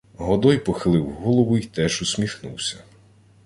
Годой похилив голову й теж усміхнувся.